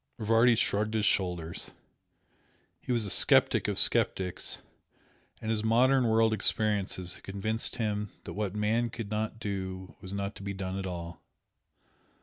Rivardi shrugged his shoulders. He was a sceptic of sceptics and his modern world experiences had convinced him that what man could not do was not to be done at all.